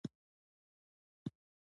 زه د سروبي ولسوالۍ د کبانو سخت شوقي یم.